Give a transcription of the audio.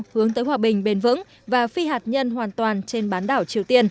hướng tới hòa bình bền vững và phi hạt nhân hoàn toàn trên bán đảo triều tiên